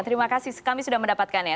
terima kasih kami sudah mendapatkannya